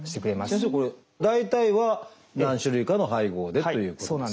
先生これ大体は何種類かの配合でということですか？